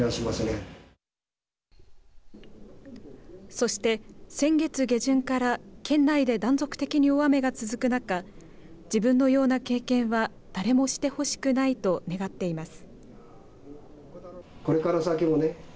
そして、先月下旬から県内で断続的に大雨が続く中自分のような経験は誰もしてほしくないと願っています。